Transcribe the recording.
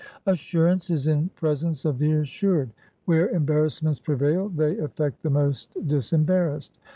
Assurance is in presence of the assured. Where embarrassments prevail, they affect the most disembarrassed.